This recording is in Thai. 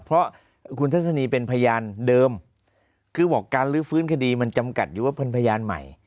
เพราะคุณทัศนีเป็นพยานเดิมคือบอกการลื้อฟื้นคดีมันจำกัดอยู่ว่าเป็นพยานใหม่